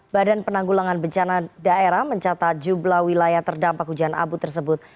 badan penanggulangan bencana daerah mencatat jumlah wilayah terdampak hujan abu tersebut